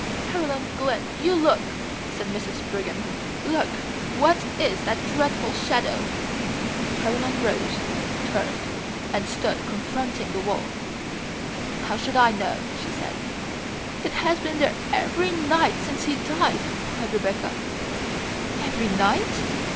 "Caroline Glynn, you look!" said Mrs. Brigham. "Look! What is that dreadful shadow?" Caroline rose, turned, and stood confronting the wall. "How should I know?" she said. "It has been there every night since he died!" cried Rebecca. "Every night?"